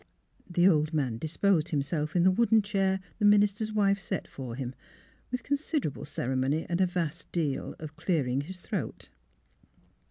The old man disposed himself in the wooden chair the minister's wife set for him, with con siderable ceremony and a vast deal of clearing his throat.